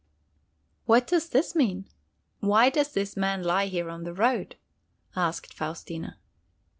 "What does this mean? Why does this man lie here on the road?" asked Faustina.